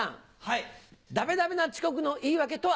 ダメダメな遅刻の言い訳とは？